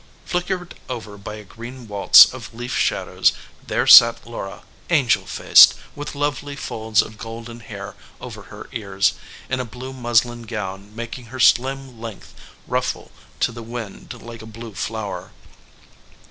Flickered over by a green waltz of leaf shadows there sat Laura, angel faced, with lovely folds of golden hair over her ears, in a blue muslin gown making her slim length ruffle to the wind like a blue flower.